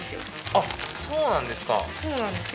あっそうなんですか。